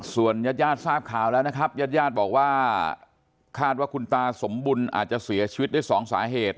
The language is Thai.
ส่วนญาติญาติทราบข่าวแล้วนะครับญาติญาติบอกว่าคาดว่าคุณตาสมบุญอาจจะเสียชีวิตได้สองสาเหตุ